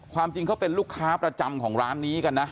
ความจริงเขาเป็นลูกค้าประจำของร้านนี้กันนะ